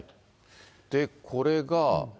で、これが。